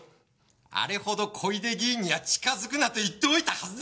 あれほど小出議員には近づくなと言っておいたはずだ！